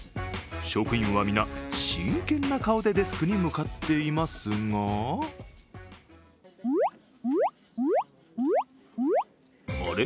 職員は皆、真剣な顔でデスクに向かっていますがあれ？